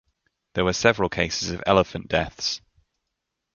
There were several cases of elephant deaths.